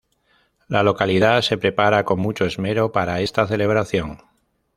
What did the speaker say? La localidad se prepara con mucho esmero para esta celebración.